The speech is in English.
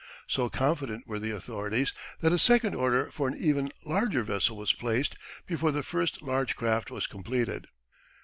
So confident were the authorities that a second order for an even larger vessel was placed before the first large craft was completed.